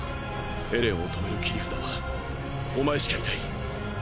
エレンを止める切り札はお前しかいない！！